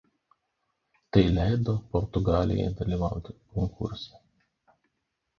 Tai leido Portugalijai dalyvauti konkurse.